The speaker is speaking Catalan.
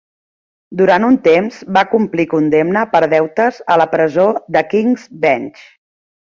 Durant un temps va complir condemna per deutes a la presó de Kings Bench.